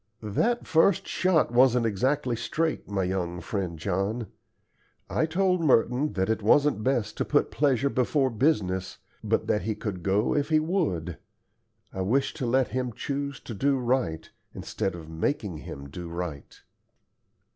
"That first shot wasn't exactly straight, my young friend John. I told Merton that it wasn't best to put pleasure before business, but that he could go if he would. I wished to let him choose to do right, instead of making him do right."